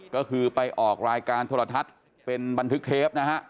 ก็คือไปออกรายการโทรทัศน์เป็นบันทึกเทปนะฮะ